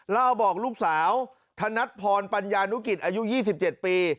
เล่าบอกลูกสาวธนัดพรปัญญานุกิจอายุ๒๗ปี